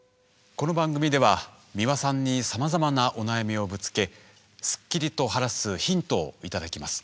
この番組では美輪さんにさまざまなお悩みをぶつけスッキリと晴らすヒントを頂きます。